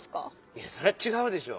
いやそりゃちがうでしょ！